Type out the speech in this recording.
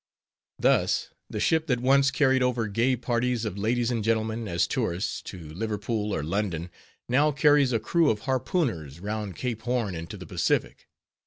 Thus, the ship that once carried over gay parties of ladies and gentlemen, as tourists, to Liverpool or London, now carries a crew of harpooners round Cape Horn into the Pacific.